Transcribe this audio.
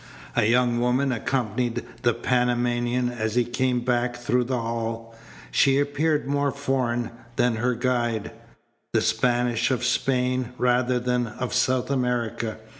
A young woman accompanied the Panamanian as he came back through the hall. She appeared more foreign than her guide the Spanish of Spain rather than of South America.